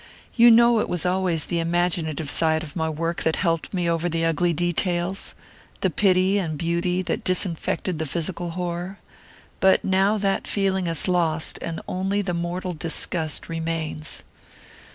You know it was always the imaginative side of my work that helped me over the ugly details the pity and beauty that disinfected the physical horror; but now that feeling is lost, and only the mortal disgust remains.